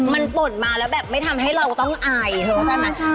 มันต่นมาแล้วแบบไม่ทำให้เราต้องอายเหอะรู้จักไหม